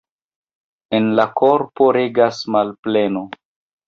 En la korpo regas malpleno.